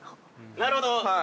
◆なるほど。